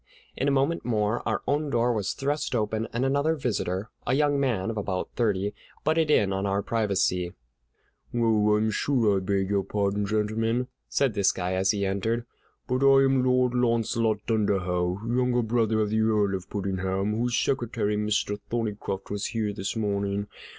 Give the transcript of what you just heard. In a moment more our own door was thrust open, and another visitor, a young man of about thirty, butted in on our privacy. "Oh, I'm sure I beg your pardon, gentlemen," said this guy as he entered, "but I am Lord Launcelot Dunderhaugh, younger brother of the Earl of Puddingham, whose secretary, Mr. Thorneycroft, was here this morning.